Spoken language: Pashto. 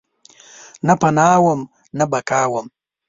نه پناه وم ، نه بقاوم